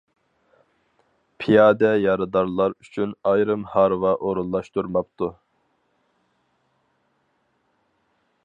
پىيادە يارىدارلار ئۈچۈن ئايرىم ھارۋا ئورۇنلاشتۇرماپتۇ.